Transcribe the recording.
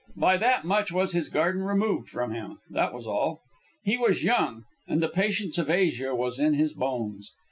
By that much was his garden removed from him that was all. He was young, and the patience of Asia was in his bones.